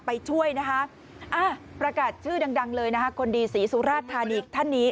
ไปช่วยนะคะประกาศชื่อดังดังเลยนะคะคนดีศรีสุราชธานีท่านนี้